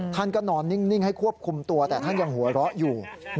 ท่านก็นอนนิ่งให้ควบคุมตัวแต่ท่านยังหัวเราะอยู่